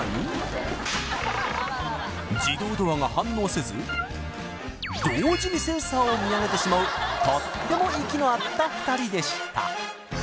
自動ドアが反応せず同時にセンサーを見上げてしまうとっても息の合った２人でした